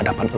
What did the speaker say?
dan gue tau